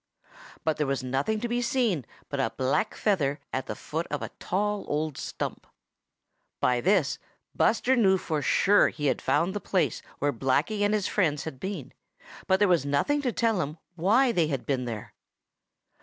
But there was nothing to be seen but a black feather at the foot of a tall old stump. By this Buster knew for sure that he had found the place where Blacky and his friends had been, but there was nothing to tell him why they had been there.